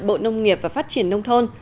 bộ nông nghiệp và phát triển nông thôn